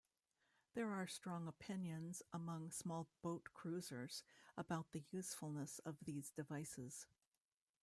There are strong opinions among small boat cruisers about the usefulness of these devices.